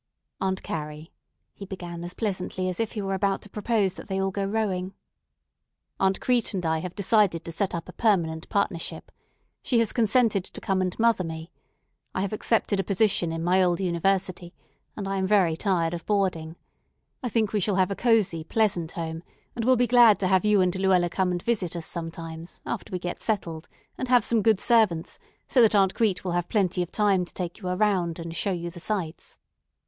"Aunt Carrie," he began as pleasantly as if he were about to propose that they all go rowing, "Aunt Crete and I have decided to set up a permanent partnership. She has consented to come and mother me. I have accepted a position in my old university, and I am very tired of boarding. I think we shall have a cozy, pleasant home; and we'll be glad to have you and Luella come and visit us sometimes after we get settled and have some good servants so that Aunt Crete will have plenty of time to take you around and show you the sights.